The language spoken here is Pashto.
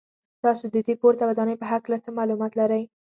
تاسو د دې پورته ودانۍ په هکله څه معلومات لرئ.